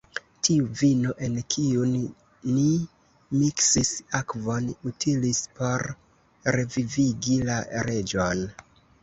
Tiu vino, en kiun ni miksis akvon, utilis por revivigi la reĝon.